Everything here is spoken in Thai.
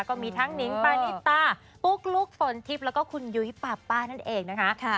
ก็มีทั้งนิ้งปานิตาปุ๊กลุ๊กฝนทิพย์แล้วก็คุณยุ้ยปาป้านั่นเองนะคะ